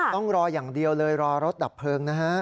ต้องรออย่างเดียวเลยรอรถดับเพลิงนะฮะ